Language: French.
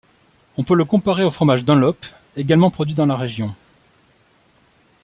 On peut le comparer au fromage Dunlop, également produit dans la région.